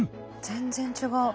全然違う。